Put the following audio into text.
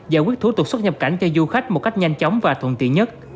giải quyết thủ tục xuất nhập cảnh cho du khách một cách nhanh chóng và thuận tiện nhất